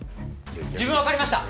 自分わかりました！